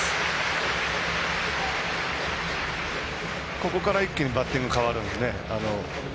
ここから一気にバッティング変わるので。